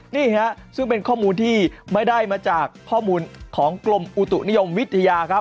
นี่ฮะซึ่งเป็นข้อมูลที่ไม่ได้มาจากข้อมูลของกรมอุตุนิยมวิทยาครับ